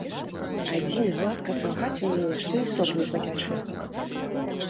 Адзін гладка салгаць умее, што і сок не пацячэ.